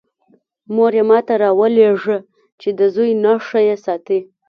مور یې ما ته راولېږه چې د زوی نښه یې ساتی.